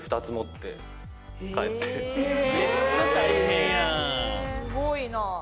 すごいなぁ。